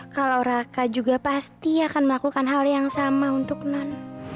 kalau raka juga pasti akan melakukan hal yang sama untuk non